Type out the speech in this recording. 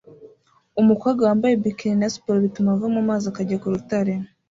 Umukobwa wambaye bikini na siporo bituma ava mu mazi akajya ku rutare